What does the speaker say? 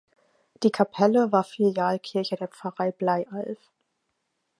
Die Kapelle war Filialkirche der Pfarrei Bleialf.